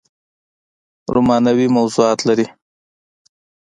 رومانوي موضوعات لري